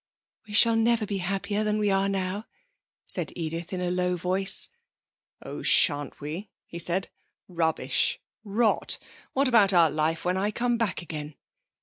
'We shall never be happier than we are now,' said Edith in a low voice. 'Oh, shan't we?' he said. 'Rubbish! Rot! What about our life when I come back again?